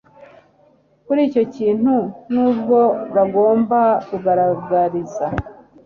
kuri icyo kintu Nubwo bagomba kugaragariza